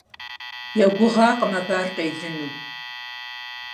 Я гугъакъым абы ар къелыну.